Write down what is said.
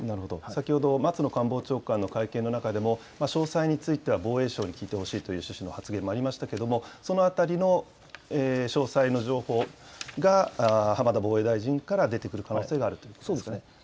先ほど、松野官房長官の会見の中でも、詳細については防衛省に聞いてほしいという趣旨の発言もありましたけども、そのあたりの詳細の情報が浜田防衛大臣から出てくる可能性があるそうですね。